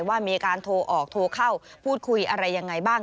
ว่ามีการโทรออกโทรเข้าพูดคุยอะไรยังไงบ้าง